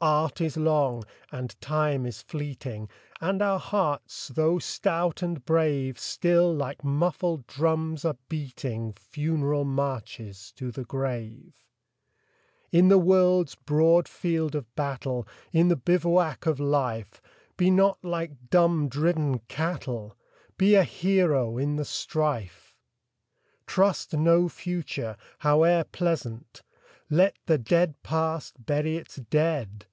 Art is long, and Time is fleeting, And our hearts, though stout and brave, Still, like muffled drums, are beating Funeral marches to the grave. In the world's broad field of battle, In the bivouac of Life, Be not like dumb, driven cattle ! Be a hero in the strife ! Trust no Future, howe'er pleasant ! Let the dead Past bury its dead